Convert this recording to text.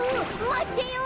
まってよ。